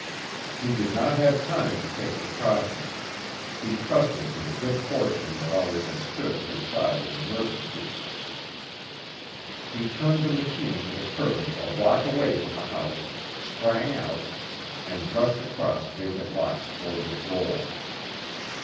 He did not have time to take precautions; he trusted to the good fortune that always had stood at his side in emergencies. He turned the machine to the curb a block away from the house, sprang out, and rushed across vacant lots toward his goal.